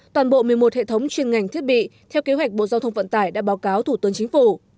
toàn bộ một mươi một hệ thống chuyên ngành thiết bị theo kế hoạch bộ giao thông vận tải đã báo cáo thủ tướng chính phủ